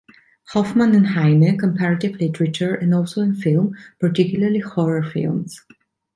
Hoffman and Heine, comparative literature and also in film, particularly horror films.